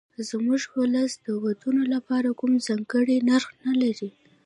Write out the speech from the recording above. زموږ ولس د ودونو لپاره کوم ځانګړی نرخ نه لري.